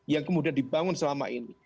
yang kemudian dibangun selama ini